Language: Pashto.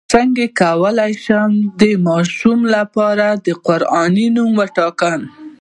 څنګه کولی شم د ماشوم لپاره د قران نوم وټاکم